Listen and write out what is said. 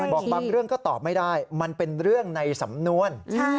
บอกบางเรื่องก็ตอบไม่ได้มันเป็นเรื่องในสำนวน